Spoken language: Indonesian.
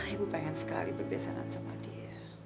ibu pengen sekali berbesaran sama dia